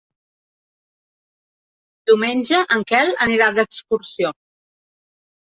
Diumenge en Quel anirà d'excursió.